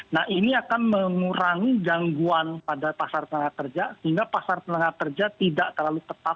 nah ini akan mengurangi gangguan pada pasar tenaga kerja sehingga pasar tenaga kerja tidak terlalu ketat